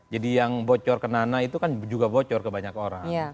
jadi yang bocor ke nana itu kan juga bocor ke banyak orang